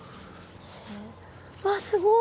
わっすごい。